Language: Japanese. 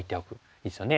いいですよね。